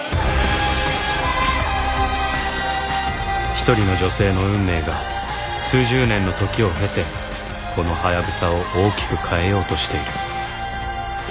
一人の女性の運命が数十年の時を経てこのハヤブサを大きく変えようとしている